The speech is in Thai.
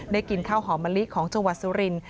กินข้าวหอมมะลิของจังหวัดสุรินทร์